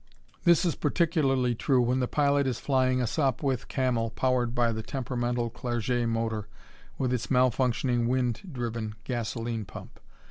This is particularly true when the pilot is flying a Sopwith Camel powered by the temperamental Clerget motor with its malfunctioning wind driven gasoline pump.